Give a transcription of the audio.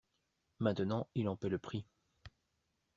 Maintenant il en paie le prix.